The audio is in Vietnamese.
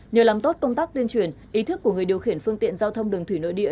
nhờ làm tốt công tác tuyên truyền ý thức của người điều khiển phương tiện giao thông đường thủy nội địa